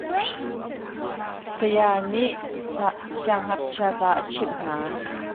Saya nih siangngakchia ca a chimh hna.